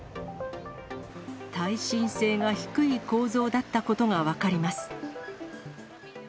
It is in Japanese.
耐震性が低い構造だったことが分かります。